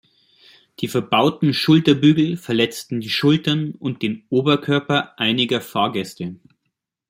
Die verbauten Schulterbügel verletzten die Schultern und den Oberkörper einiger Fahrgäste.